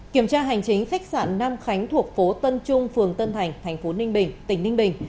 kiểm tra hành chính khách sạn nam khánh thuộc phố tân trung phường tân thành thành phố ninh bình tỉnh ninh bình